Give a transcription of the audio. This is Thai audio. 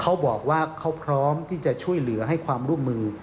เขาบอกว่าเขาพร้อมที่จะช่วยเหลือให้ความร่วมมือ